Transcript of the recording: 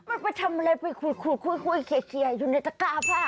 มันไปทำอะไรไปคุยคุยคุยคุยอยู่ในตาก้าผ้า